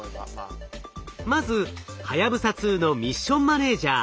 まずはやぶさ２のミッションマネージャ